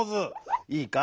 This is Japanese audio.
いいか？